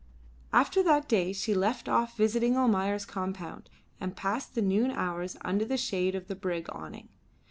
After that day she left off visiting Almayer's compound, and passed the noon hours under the shade of the brig awning.